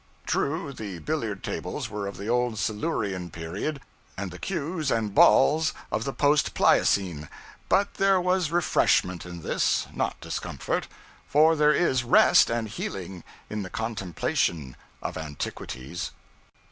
True, the billiard tables were of the Old Silurian Period, and the cues and balls of the Post Pliocene; but there was refreshment in this, not discomfort; for there is rest and healing in the contemplation of antiquities.